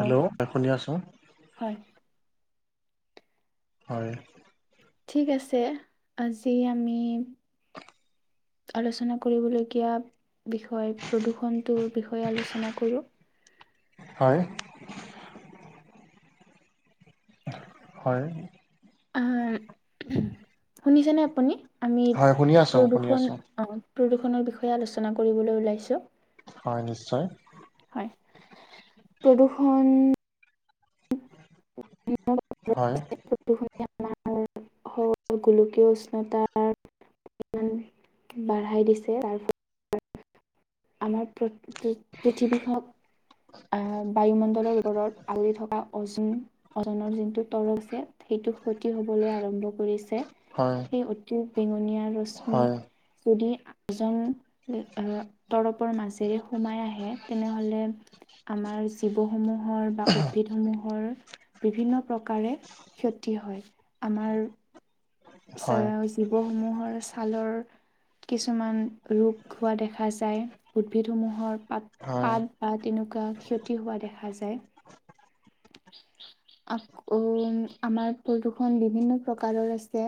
অ ' হয় শুনি আছো। হয়। হয়। ঠিক আছে, আজি আমি [unintelligible] আলোচনা কৰিবলগীয়া বিষয় প্ৰদূষণটোৰ বিষয়ে আলোচনা কৰোঁ। হয়। হয়। আহাঁ উহুম, শুনিছেনে আপুনি আমি হয় শুনি আছোঁ শুনি প্ৰদূষণ আছোঁ অ। প্ৰদূষণৰ বিষয়ে আলোচনা কৰিবলৈ ওলাইছোঁ। হয়, নিশ্চয়। হয়, প্ৰদূৰ্ষণ হয়। প্ৰদূষণী আমাৰ গোলকীয় উষ্ণতাৰ উম, বঢ়াই দিছে তাৰ ফলত আমাৰ কৈ পৃ পৃথিৱী হক আহ বায়ুমণ্ডলৰ ওপৰত আৱৰি থকা অচ উম অজনৰ যোনটো তৰকছে সেইটো ক্ষতি হবলৈ আৰম্ভ কৰিছে, হয় সেই অতি বেঙনীয়া ৰশ্মি হয় যদি আজন লি আ তৰপৰ মাজেৰে সোমাই আহে তেনেহলে আমাৰ জীৱসমূহৰ বা উদ্ভিদসমূহৰ বিভিন্ন প্ৰকাৰে ক্ষতি হয়, আমাৰ চা হয় জীৱসমূহৰ ছালৰ কিছুমান ৰোগ হোৱা দেখা যায়, উদ্ভিদসমূহৰ পাত হয় পাত বা তেনেকুৱা ক্ষতি হোৱা দেখা যায়। [inaudible] আকৌ আমাৰ প্ৰদূষণ বিভিন্ন প্ৰকাৰৰ আছে।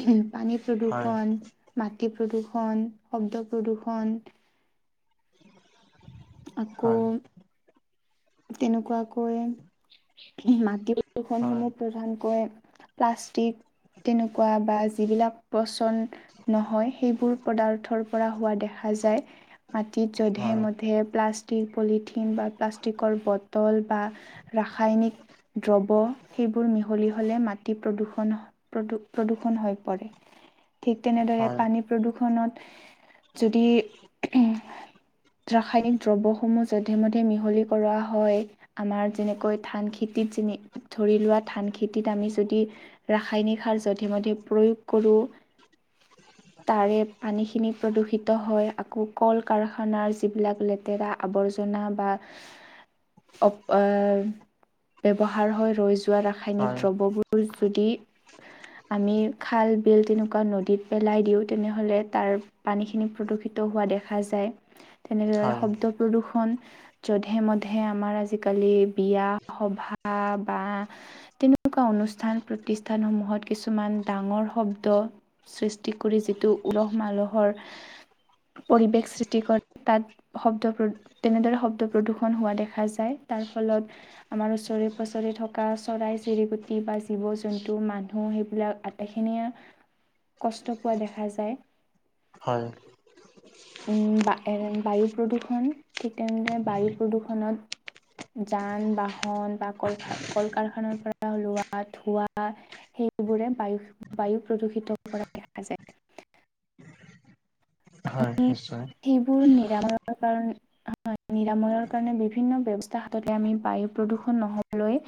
উহুম পানী হয় হয় প্ৰদূষণ, মাটি প্ৰদূষণ, শব্দ প্ৰদূষণ। আকৌ হয় তেনেকুৱাকৈ মাটি হয় প্ৰদূষনসমূহ প্ৰধানকৈ প্লাষ্টিক তেনেকুৱা বা যিবিলাক পচন নহয় সেইবোৰ পদাৰ্থৰ পৰা হোৱা দেখা যায়। মাটিত যধে - মধে প্লাষ্টিক পলিথিন বা প্লাষ্ট টিকৰ বটল বা ৰাসায়নিক দ্ৰব্য সেইবোৰ মিহলি হ'লে মাটি প্ৰদূষণ প্ৰদু প্ৰদূষণ হৈ পৰে, ঠিক তেনেদৰে হয় পানী প্ৰদূষণত যদি উহুম ৰাসায়নিক দ্ৰব্য সমূহ যধে মধে মিহলি কৰা হয়। আমাৰ যেনেকৈ ধান খেতিত যেনি ধৰি লোৱা ধান খেতিত আমি যদি ৰাসায়নিক সাৰ যধে - মধে প্ৰয়োগ কৰোঁ [inaudible] তাৰে পানীখিনি প্ৰদূষিত হয় আকৌ কল- কাৰখানাৰ যিবিলাক লেতেৰা আৱৰ্জনা বা অ এ ব্যৱহাৰ হৈ ৰৈ যোৱা ৰাসায়নিক হয় দ্ৰব্যবোৰ যদি- আমি খাল বিল তেনেকোৱা নদীত পেলাই দিও তেনেহলে তাৰ- পানীখিনি প্ৰদূষিত হোৱা দেখা যায়। [inaudible] তেনেদৰে হয় শব্দ প্ৰদূষণ- ধেমধে আমাৰ আজিকালি বিয়া সভা বা- তেনেকোৱা অনুষ্ঠান প্ৰতিষ্ঠানসমূহত কিছুমান ডাঙৰ শব্দ- সৃষ্টি কৰি যিটো উলহ মালহৰ- পৰিৱেশ সৃষ্টি কৰে তাত শব্দ প্ৰ তেনেদৰে শব্দ- প্ৰদূষণ হোৱা দেখা যায় তাৰ ফলত- আমাৰ ওচৰে পাজৰে থকা চৰাই চিৰিকটি বা জীৱ জন্তু মানুহ সেইবিলাক- এইখিনিয়ে কষ্ট পোৱা দেখা যায়। হয়। উ বা এ বায়ু প্ৰদূষণ ঠিক তেনেদৰে বায়ু প্ৰদূষণত- যান বাহন বা কল কল কাৰখানাৰ পৰা ওলোৱা ধোৱা- সেইবোৰে বায়ু বায়ু প্ৰদূষিত কৰা দেখা যায়। হয় নিশ্চয় - সেইবোৰ নিৰাময়ৰ কাৰণ- হয় নিৰাময়ৰ কাৰণে বিভিন্ন ব্যৱস্থা হাততে আমি বায়ু প্ৰদূষণ নহবলৈ-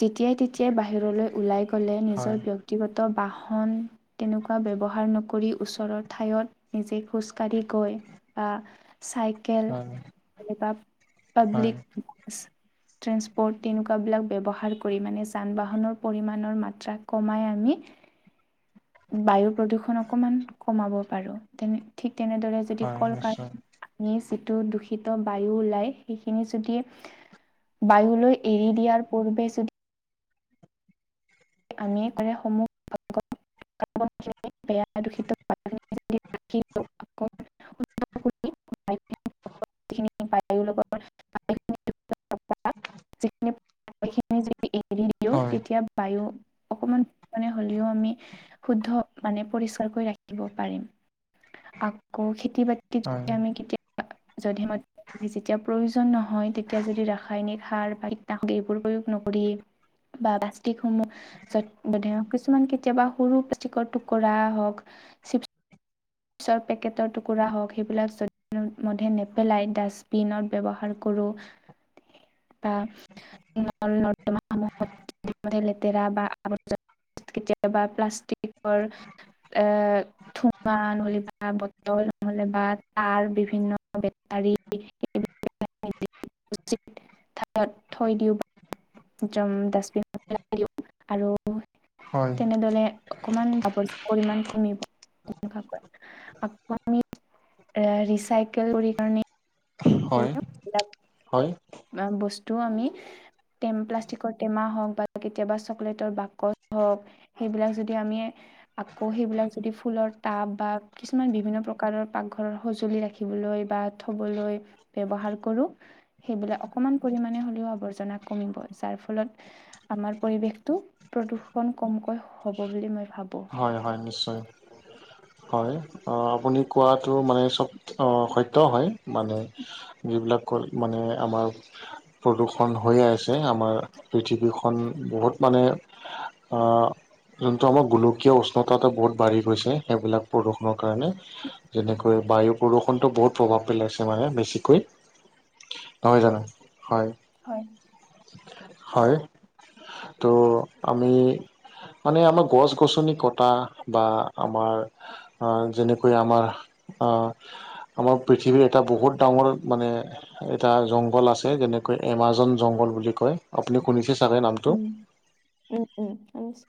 যেতিয়াই তেতিয়াই বাহিৰলৈ ওলাই গৈ- গ'লে হয় নিজৰ ব্যক্তিগত বাহন তেনেকোৱা ব্যৱহাৰ নকৰি ওচৰৰ ঠাইত- নিজেই খোজ কঢ়ি গৈ বা চাইকেল হয় নহলেবা- হয় পাব্লিক- ট্ৰেন্সপৰ্ট তেনেকোৱা বিলাক ব্যৱহাৰ কৰি মানে যান বাহনৰ পৰিমাণৰ মাত্ৰা কমাই আমি বায়ু প্ৰদূষণ অকণমান কমাব পাৰো তেনে ঠিক তেনেদৰে যদি হয় কল নিশ্চয় কাৰ- আমি যিটো দূষিত বায়ু ওলাই সেইখিনি যদি- বায়ুলৈ এৰি দিয়াৰ পূৰ্বে যদি- আমিয়ে কৰে সমূহ ভাগত- বেয়া দূষিত [unintelligible] যিখিনি বায়ুৰ লগত বায়ুখিনি যিখিনি বায়ুখিনি যদি এৰি দিও হয় তেতিয়া বায়ু অকণমান মানে হ'লেও আমি শুদ্ধ মানে পৰিষ্কাৰকৈ ৰাখিব পাৰিম। আকৌ খেতি বাতি হয় যদি আমি কেতিয়া জধে মধে যেতিয়া প্ৰয়োজন নহয় তেতিয়া যদি ৰাসায়নিক সাৰ বা কীটনাশক এইবোৰ প্ৰয়োগ নকৰি- বা প্লাষ্টিকসমূহ- জধে মধে কিছুমান কেতিয়াবা সৰু প্লাষ্টিকৰ টুকুৰা হ‌ওক চিপছ ৰ পেকেটৰ টুকুৰা হওক সেইবিলাক জধে মধে নেপেলাই ডাষ্টবিনত ব্যৱহাৰ কৰো [inaudible] তা- নল নৰ্দমাসমূহত জধে মধে লেতেৰা বা আৱৰ্জনা- কেতিয়াবা প্লাষ্টিকৰ এ ঠোঙা- বা বটল নহ'লে বা তাৰ বিভিন্ন বেটাৰী- উচিত ঠাইত থৈ দিও‌ বা যম ডাষ্টবিনত পেলাই দিও আৰু হয় তেনেদৰে অকমান আৱৰ্জনাৰ পৰিমাণ কমিব আকৌ আমি ৰিচাইকেল কৰি পানি হয় কৰি হয় বস্তু আমি টেম প্লাষ্টিকৰ টেমা হওক বা কেতিয়াবা চকলেটৰ বাকচ হওক সেইবিলাক যদি আমি আকৌ সেইবিলাক যদি ফুলৰ টাব বা কিছুমান বিভিন্ন প্ৰকাৰৰ পাকঘৰৰ সঁজুলি ৰাখিবলৈ বা থ'বলৈ ব্যৱহাৰ কৰো সেইবিলাক অকমান পৰিমানে হ'লেও আৱৰ্জনা কমিব যাৰ ফলত আমাৰ পৰিৱেশটো প্ৰদূষণ কমকৈ হ'ব বুলি মই ভাবো। হয়- হয় নিশ্চয়। হয় অ, আপুনি কোৱাটো মানে চব অ, সত্য হয় মানে যিবিলাক কৈ মানে আমাক প্ৰদূষণ হৈয়ে আছে আমাৰ পৃথিৱীখন বহুত মানে আ, যোনটো আমাৰ গোলোক কিয় উষ্ণতাতো বহুত বাঢ়ি গৈছে সেইবিলাক প্ৰদূষণৰ কাৰণে। যেনেকৈ বায়ু প্ৰদূষণটো বহুত প্ৰভাৱ পেলাইছে মানে বেছিকে নহয় জানো হয়। হয়। হয় তো আমি মানে আমাৰ গছ -গছনি কটা বা আমাৰ আ, যেনেকৈ আমাৰ আ আমাৰ পৃথিৱীৰ এটা বহুত ডাঙৰ মানে এটা জংঘল আছে যেনেকৈ এমাজন জংঘল বুলি কয় আপুনি শুনিছে চাগে নামটো? উম-উম শুনিছো।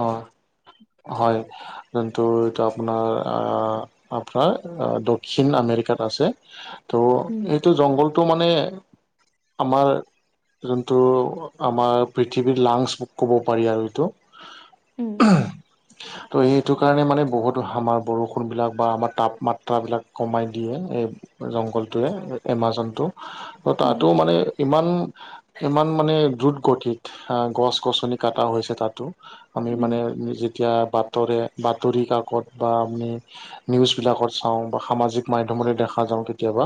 অ, হয় যোনটো এইটো আপোনাৰ আ আপনাৰ আ দক্ষিণ আমেৰিকাত আছে ত' এইটো জংঘলটো মানে আমাৰ যোনটো আমাৰ পৃথিৱীৰ লাংছ বুক ক'ব পাৰি আৰু এইটো। উম, ত' সেইটো কাৰণে মানে বহুতো আমাৰ বৰষুণবিলাক বা আমাৰ তাপমাত্ৰাবিলাক কমাই দিয়ে এই জংঘলটোৱে এমাজনটো ত' তাতো মানে ইমান-ইমান মানে দ্ৰুত গতিত আ গছ -গছনি কাটা হৈছে তাতো। আমি উম মানে যেতিয়া বাতৰে বাতৰি কাকত বা আমি নিউজবিলাকত চাওঁ বা সামাজিক মাধ্যমতে দেখা যাওঁ কেতিয়াবা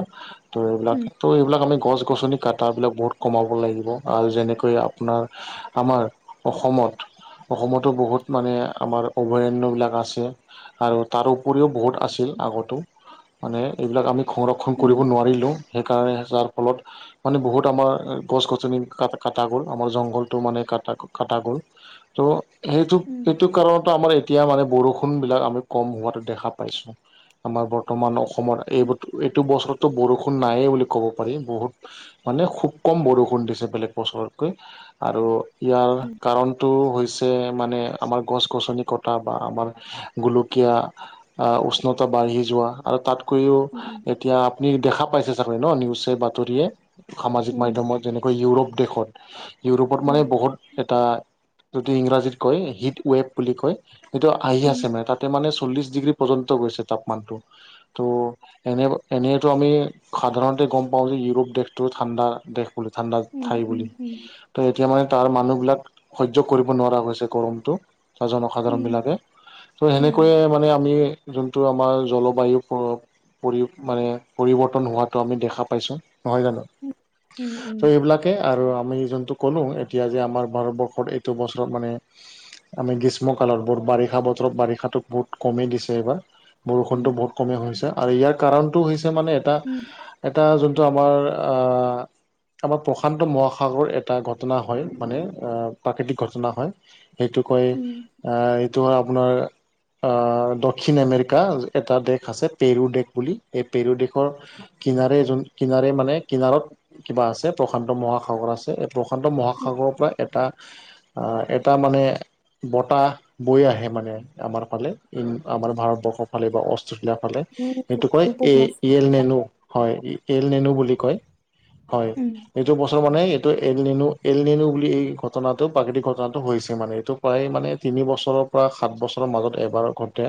ত' এইবিলাক ত' এইবিলাক আমি গছ-গছনি কাট টাবিলাক বহুত কমাব লাগিব আৰু যেনেকৈ আপোনাৰ আমাৰ অসমত অসমতো বহুত মানে আমাৰ অভয়াৰণ্যবিলাক আছে। আৰু তাৰ উপৰিও বহুত আছিল আগতো। মানে এইবিলাক আমি সংৰক্ষণ কৰিব নোৱাৰিলোঁ সেইকাৰণে যাৰ ফলত মানে বহুত আমাৰ গছ -গছনি কাটা গ'ল আমাৰ জংঘলটো মানে কাটা-কাটা গ'ল। ত'সেইটো এইটো কাৰণ ত' আমাৰ এতিয়া মানে বৰষুণ বিলাক আমি কম হোৱাতো দেখা পাইছো আমাৰ বৰ্তমান অসমৰ এইবোৰ এইটো বছৰতো বৰষুণ নায়েই বুলি ক'ব পাৰি বহুত মানে খুব কম বৰষুণ দিছে বেলেগ বছৰতকৈ আৰু ইয়াৰ কাৰণটো হৈ চে মানে আমাৰ গছ- গছনি কটা বা আমাৰ গোলকীয়া আ, উষ্ণতা বাঢ়ি যোৱা আৰু তাত কৈও এতিয়া আপুনি দেখা পাইছে চাগৈ ন' নিউচে বাতৰিয়ে, সামাজিক মাধ্যমত যেনে কৈ ইউৰোপ দেশত ইউৰোপত মানে বহুত এটা যদি ইংৰাজীত কয় হিট ৱেভ বুলি কয় সেইটো আহি আছে মানে তাত তাতে মানে চল্লিশ ডিগ্ৰী পৰ্যন্ত গৈছে তাপমানটো ত' এনে -এনেইতো আমি সাধাৰণতে গম পাওঁ যে ইউৰোপ দেশটো ঠাণ্ডা দেশ। ঠাণ্ডা ঠাই বুলি ত'এতিয়া মানে তাৰ মানুহবলাক সহ্য কৰিব নোৱাৰা হৈছে গৰমটো অ, জনসাধাৰণবিলাকে ত' সেনেকৈয়ে মানে আমি যোনটো আমাৰ জলবায়ু প প্ৰয়োগ মানে পৰিৱৰ্তন হোৱাটো আমি দেখা পাইছো নহয় জানো? ত এইবিলাকে আৰু আমি যোনটো ক'লো এতিয়া যে আমাৰ ভাৰতবৰ্ষত এই টো বছৰত মানে আমি গ্ৰীষ্মকালত বোৰ বাৰিষা বতৰত বাৰিষাতো বহুত কমে দিছে এইবাৰ বৰষুণতো বহুত কমেই হৈছে আৰু ইয়াৰ কাৰণটো হৈছে মানে এটা এটা যোনটো আমাৰ আ আমাৰ প্ৰশান্ত মহাসাগৰ এটা ঘটনা হয় মানে আ প্ৰাকৃতিক ঘটনা হয়। সেইটো কয় আ এইটো হয় আপোনাৰ আ দক্ষিণ আমেৰিকা এটা দেশ আছে পেৰু দেশ বুলি এই পেৰু দেশৰ কিনাৰে যোন কিনাৰে মানে কিনাৰত কিবা আছে প্ৰশান্ত মহাসাগৰ আছে প্ৰশান্ত মহাসাগৰ পৰা এটা আ এটা মানে বতাহ বৈ আহে মানে আমাৰ ফালে ই আমাৰ ভাৰতবৰ্ষৰ ফালে বা অ সুকীয়া ফালে সেইটো কয় এ ইয়েল নেনু। হয় এল নেনু বুলি কয়, হয়। এইটো বছৰ মানে এইটো এল নেনু এল নেনু বুলি এই ঘটনাটো প্ৰাকৃতিক ঘটনাটো হৈছে মানে এইটো প্ৰায় মানে তিনি বছৰৰ পৰা সাত বছৰৰ মাজত এবাৰ ঘটে।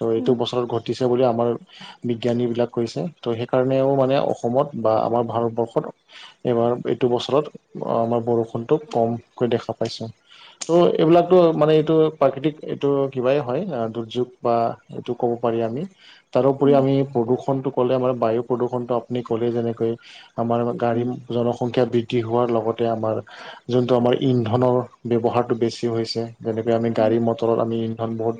ত' এইটো বছৰত ঘটিছে বুলি আমাৰ বিজ্ঞানী বিলাক কৈছে ত' সেইকাৰণেও মানে অসমত বা আমাৰ ভাৰতবৰ্ষত এইবাৰ এইটো বছৰত অ আমাৰ বৰষুণতোক কমকৈ দেখা পাইছো। ত' এইবিলাকতো মানে এইটো প্ৰাকৃতিক এইটো কিবাই হয় দুৰ্যোগ বা এইটো ক'ব পাৰি আমি। তাৰোপৰি আমি প্ৰদূষণটো ক'লে আমাৰ বায়ু প্ৰদূষণটো আপুনি ক'লেই যেনেকৈ আমাৰ গাড়ী জনসংখ্যা বৃদ্ধি হোৱাৰ লগতে আমাৰ যোনটো আমাৰ ইন্ধনৰ ব্যৱহাৰতো বেছি হৈছেযেনেকৈ আমি গাড়ী মটৰত আমি ইন্ধন বহুত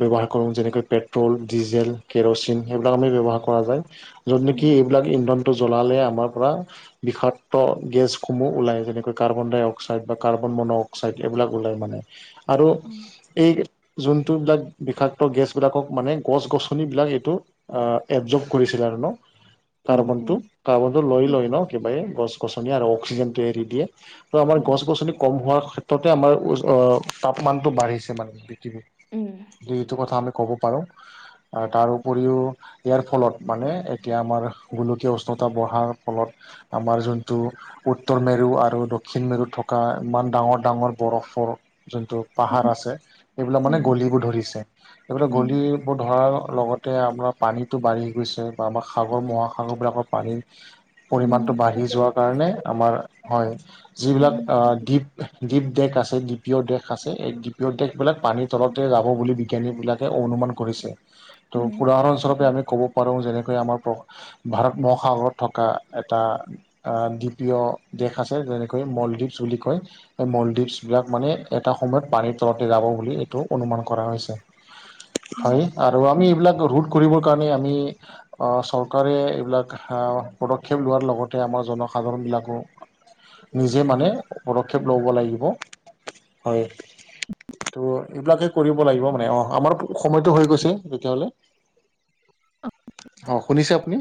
ব্যৱহাৰ কৰো যেনেকৈ পেট্ৰল, ডিজেল, কেৰচিন সেইবিলাক আমি ব্যৱহাৰ কৰা যায়। যত নেকি এইবিলাক ইন্ধনটো জ্বলালে আমাৰ পৰা বিষাক্ত গেছসমূহ ওলাই যেনেকৈ কাৰ্বন ডাই অ অক্সাইড বা কাৰ্বন মন' অক্সাইড এইবিলাক ওলাই মানে আৰু এই যোনটোবিলাক বিষাক্ত গেছবিলাকক মানে গছ গছনিবিলাক এইটো আ এবজৰ্ভ কৰিছিল আৰু ন? কাৰ্বনটো? কাৰ্বনটো লৈ লয় ন একেবাৰে গছ গছনিয়ে আৰু অক্সিজেনটো এৰি দিয়ে ত' আমাৰ গছ গছনি কম হোৱাৰ ক্ষেত্ৰতে আমাৰ ওচ অ তাপমানটো বাঢ়িছে মানে যি এইটো কথা আমি ক'ব পাৰো তাৰ উপৰিও ইয়াৰ ফলত মানে এতিয়া আমাৰ গোলকীয় উষ্ণতা বঢ়াৰ ফলত আমাৰ যোনটো উত্তৰ মেৰু আৰু দ ক্ষিণ মেৰুত থকা ইমান ডাঙৰ ডাঙৰ বৰফৰ যোনটো পাহাৰ আছে এইবিলাক মানে গলিব ধৰিছে। এইবিলাক গলি ব ধৰাৰ লগতে আমাৰ পানীতো বাঢ়ি গৈছে। বা আমাৰ সাগৰ মহাসাগৰবিলাকৰ পানীৰ পৰিমাণটো বাঢ়ি যোৱাৰ কাৰণে আমাৰ হয় যিবিলাক অ দ্বীপ দ্বীপ দেশ আছে দ্বিপীয় দেশ আছে এই দ্বীপীয় দেশবিলাক পানীৰ তলতে যাব বুলি বিজ্ঞানীবিলা কে অনুমান কৰিছে ত' উদাহৰণস্বৰূপে আমি ক'ব পাৰো যেনেকৈ আমাৰ ভাৰত মহাসাগৰত থকা এটা দ্বিপীয় দেশ আছে যেনে কৈ মলদ্বীপছ বুলি কয় এই মলদ্বীপছ বিলাক মানে এটা সময়ত পানীৰ তলতে যাব বুলি এইটো অনুমান কৰা হৈছে হয় আৰু আমি এইবিলাক ৰোধ কৰিবৰ কাৰণে আমি অ চৰকাৰে এইবিলাক অ পদক্ষেপ লোৱাৰ লগতে আমাৰ জনসাধাৰণবিলাকো নিজে মানে পদক্ষেপ ল'ব লাগিব হয় ত' এইবিলাকে কৰিব লাগিব মানে অ আমাৰ সময়তো হৈ গৈছে তেতিয়াহলে অ শুনিছে আপুনি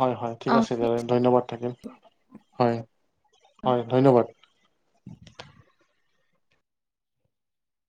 হয় হয় ঠিক আছে দিয়া ধন্যবাদ থাকিল, হয়। হয় ধন্যবাদ।